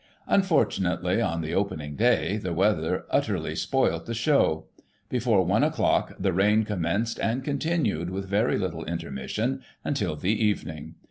Unfortunately, on the opening day, the weather utterly spoilt the show. Before one o'clock, the rain commenced, and continued, with very little intermission, until the evening.